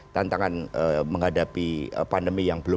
tantangan menghadapi pandemi yang belum